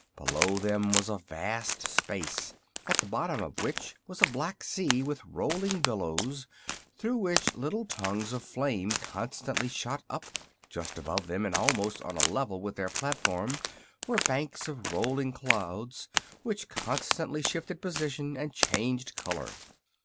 Below them was a vast space, at the bottom of which was a black sea with rolling billows, through which little tongues of flame constantly shot up. Just above them, and almost on a level with their platform, were banks of rolling clouds which constantly shifted position and changed color.